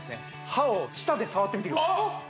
歯を舌で触ってみてくださいあっ